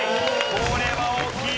これは大きい。